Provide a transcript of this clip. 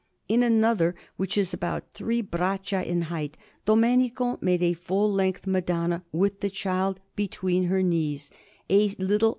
In another, which is about three braccia in height, Domenico made a full length Madonna with the Child between her knees, a little S.